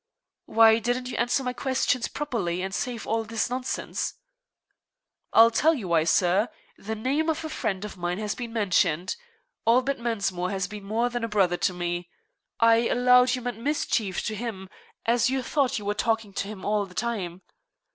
"Why didn't you answer my questions properly, and save all this nonsense?" "I'll tell you why, sir. The name of a friend of mine has been mentioned. Albert Mensmore has been more than a brother to me. I allowed you meant mischief to him, as you thought you were talking to him all the time.